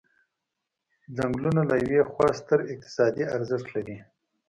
څنګلونه له یوې خوا ستر اقتصادي ارزښت لري.